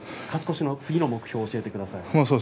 勝ち越しの次の目標を教えてください。